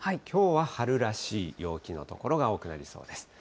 きょうは春らしい陽気の所が多くなりそうです。